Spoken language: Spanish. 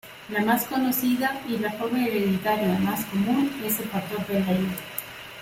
La más conocida y la forma hereditaria más común es el factor V Leiden.